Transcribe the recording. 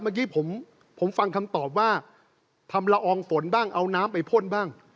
เมื่อกี้ผมฟังคำตอบว่าทำละอองฝนบ้างเอาน้ำไปพ่นบ้าง